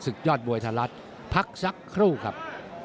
ยอดมวยไทยรัฐพักสักครู่ครับ